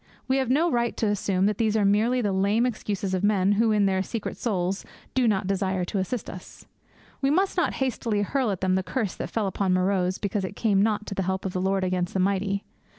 We have no right to assume that these are merely the lame excuses of men who, in their secret souls, do not desire to assist us. We must not hastily hurl at them the curse that fell upon Meroz because it came not to the help of the Lord against the mighty.